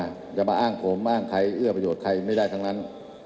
จะมาอ้างผมอ้างใครเอื้อประโยชน์ใครไม่ได้ทั้งนั้น